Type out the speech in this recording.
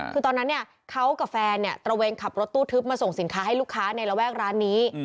คือตอนนั้นเนี่ยเขากับแฟนเนี่ยตระเวนขับรถตู้ทึบมาส่งสินค้าให้ลูกค้าในระแวกร้านนี้